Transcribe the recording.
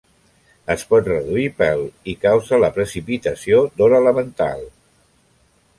Es pot reduir pel i causa la precipitació d'or elemental.